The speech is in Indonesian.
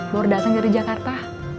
bawah dateng dari jakarta